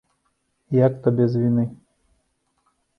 Як то без віны?